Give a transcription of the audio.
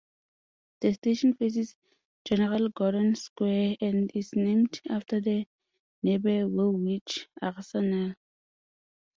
The station faces General Gordon Square and is named after the nearby Woolwich Arsenal.